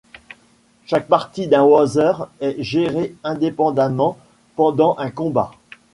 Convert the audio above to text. Chaque partie d'un Wanzer est gérée indépendamment pendant un combat.